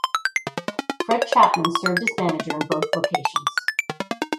Fred Chapman served as manager in both locations.